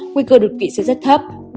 nguy cơ đột quỵ sẽ rất thấp